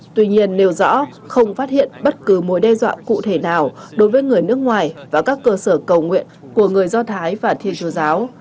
tuy nhiên nêu rõ không phát hiện bất cứ mối đe dọa cụ thể nào đối với người nước ngoài và các cơ sở cầu nguyện của người do thái và thi chúa giáo